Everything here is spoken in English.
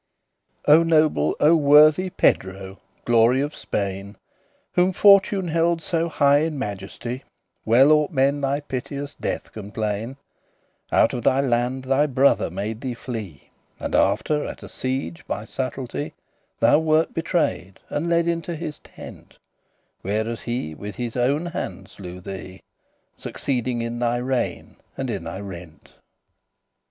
O noble, O worthy PEDRO, <28> glory OF SPAIN, Whem Fortune held so high in majesty, Well oughte men thy piteous death complain. Out of thy land thy brother made thee flee, And after, at a siege, by subtlety, Thou wert betray'd, and led unto his tent, Where as he with his owen hand slew thee, Succeeding in thy regne* and in thy rent.